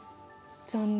残念。